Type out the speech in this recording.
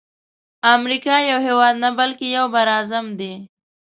امریکا یو هیواد نه بلکی یو بر اعظم دی.